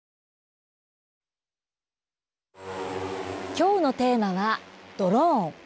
今日のテーマはドローン。